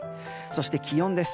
そして気温です。